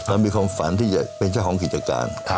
เพราะมีความฝันที่จะเป็นชาวของกิจการ